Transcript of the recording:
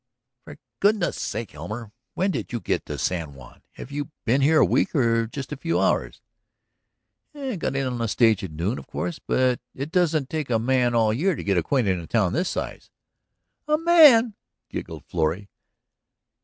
"For goodness' sake, Elmer, when did you get to San Juan? Have you been here a week or just a few hours?" "Got in on the stage at noon, of course. But it doesn't take a man all year to get acquainted in a town this size." "A man!" giggled Florrie.